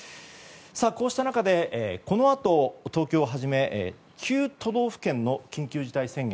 こうした中でこのあと、東京をはじめ９都道府県の緊急事態宣言。